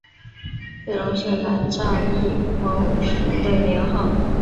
见龙是南诏异牟寻的年号。